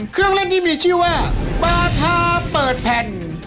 เครื่องเล่นที่มีชื่อว่าบาคาเปิดแผ่น